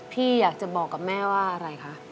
พี่อยากจะบอกกับแม่ว่าอะไรคะ